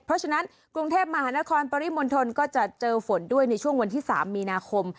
เพราะฉะนั้นกรุงเทพมหานครปริมณฑลก็จะเจอฝนด้วยในช่วงวันที่๓มีนาคม